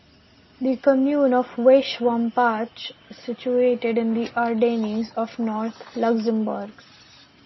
The commune of Weiswampach is situated in the Ardennes of north Luxembourg.